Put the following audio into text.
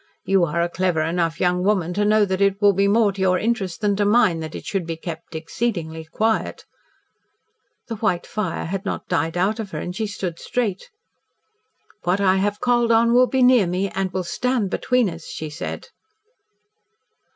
You are a clever enough young woman to know that it will be more to your interest than to mine that it shall be kept exceedingly quiet." The white fire had not died out of her and she stood straight. "What I have called on will be near me, and will stand between us," she said.